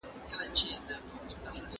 پښتنې دي پر تورخم لاهور ته اوړي